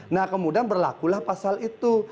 nah kemudian berlakulah pasal itu